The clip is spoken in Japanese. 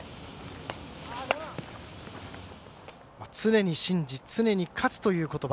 常に信じ、常に勝つということば。